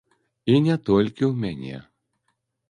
І не толькі ў мяне.